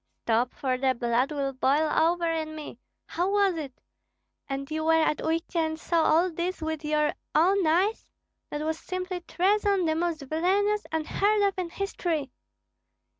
"Stop, for the blood will boil over in me! How was it? And you were at Uistsie and saw all this with your own eyes? That was simply treason the most villanous, unheard of in history."